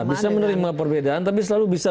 bisa menerima perbedaan tapi selalu bisa